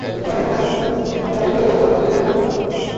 ফলে আইইউসিএন দ্বারা এই পাখি মহাবিপন্ন বলে চিহ্নিত হয়েছে।